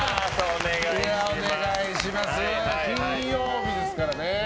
金曜日ですからね。